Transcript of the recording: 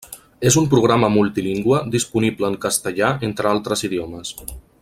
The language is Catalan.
És un programa multilingüe disponible en castellà entre altres idiomes.